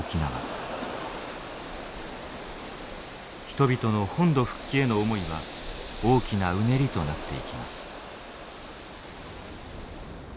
人々の本土復帰への思いは大きなうねりとなっていきます。